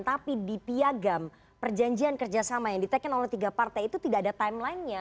tapi di piagam perjanjian kerjasama yang ditekan oleh tiga partai itu tidak ada timelinenya